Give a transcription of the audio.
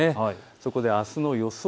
そこであすの予想